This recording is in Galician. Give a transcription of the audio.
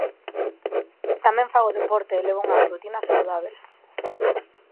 Tamén fago deporte e levo unha rutina saudábel.